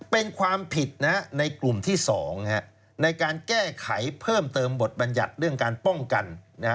เป็นความผิดในกลุ่มที่๒ในการแก้ไขเพิ่มเติมบทบัญญัติเรื่องการป้องกัน